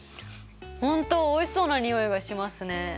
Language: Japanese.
本当おいしそうな匂いがしますね。